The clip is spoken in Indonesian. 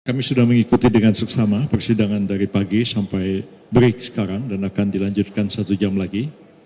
kami sudah mengikuti dengan seksama persidangan dari pagi sampai break sekarang dan akan dilanjutkan satu jam lagi